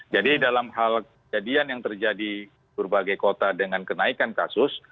jadi dalam hal kejadian yang terjadi berbagai kota dengan kenaikan kasus